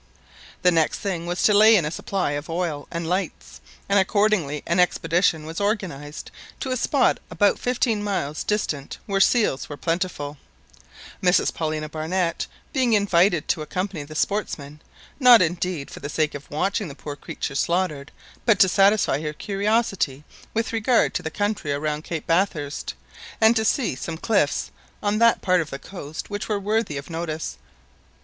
The next thing was to lay in a supply of oil and lights, and accordingly an expedition was organised to a spot about fifteen miles distant where seals were plentiful, Mrs Paulina Barnett being invited to accompany the sportsmen, not indeed for the sake of watching the poor creatures slaughtered, but to satisfy her curiosity with regard to the country around Cape Bathurst, and to see some cliffs on that part of the coast which were worthy of notice.